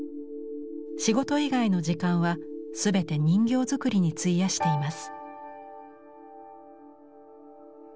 仕事以外の時間は全て人形作りに費やしています。